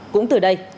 cũng từ đây âm nhạc